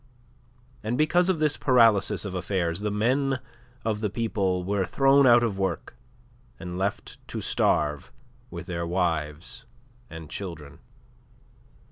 And because of this paralysis of affairs the men of the people were thrown out of work and left to starve with their wives and children.